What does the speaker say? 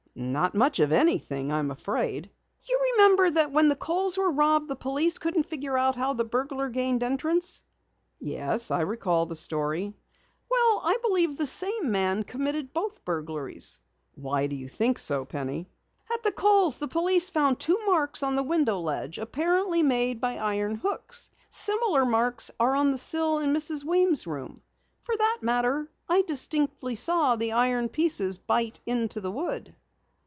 "Not much of anything, I am afraid." "You remember that when the Kohls were robbed the police couldn't figure out how the burglar gained entrance?" "Yes, I recall the story." "Well, I believe the same man committed both burglaries." "Why do you think so, Penny?" "At the Kohl's the police found two marks on the window ledge apparently made by iron hooks. Similar marks are on the sill in Mrs. Weems' room. For that matter, I distinctly saw the iron pieces bite into the wood."